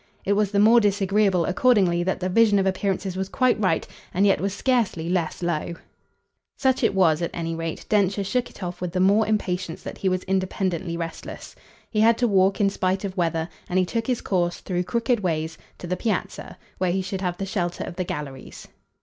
It was the more disagreeable accordingly that the vision of appearances was quite right, and yet was scarcely less low. Such as it was, at any rate, Densher shook it off with the more impatience that he was independently restless. He had to walk in spite of weather, and he took his course, through crooked ways, to the Piazza, where he should have the shelter of the galleries.